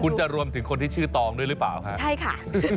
คุณจะรวมถึงคนที่ชื่อตองด้วยหรือเปล่าฮะใช่ค่ะ